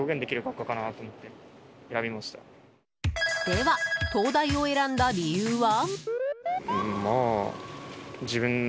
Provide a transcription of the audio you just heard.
では、東大を選んだ理由は？